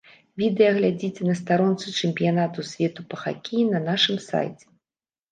Відэа глядзіце на старонцы чэмпіянату свету па хакеі на нашым сайце.